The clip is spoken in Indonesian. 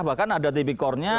bahkan ada tpkornya